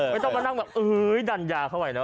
ไม่ต้องมานั่งแบบเอ้ยดันยาเข้าไปเนอ